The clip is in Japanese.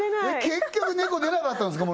結局ネコ出なかったんですか？